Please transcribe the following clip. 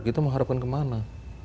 kita mengharapkan kemana